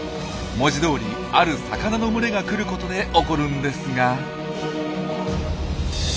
文字どおりある魚の群れが来ることで起こるんですが。